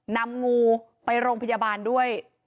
นำงูไปโรงพยาบาลด้วย